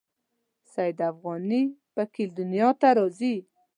سید افغاني په کې دنیا ته راځي.